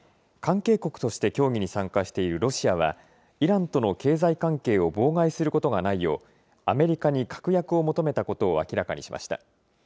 関係国として協議に参加しているロシアは、イランとの経済関係を妨害することがないよう、アメリカに確約を求めたことを明らかにしました。